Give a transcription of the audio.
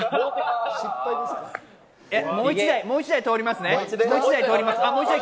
もう１台通りますね。